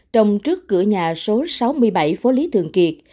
trồng trước cửa nhà số sáu mươi bảy phố lý thường kiệt